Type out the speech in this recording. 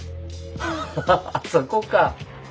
あそこか！